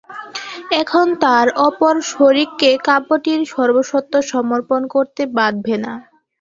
এখন তার অপর শরিককে কাব্যটির সর্বস্বত্ব সমর্পণ করতে বাধবে না।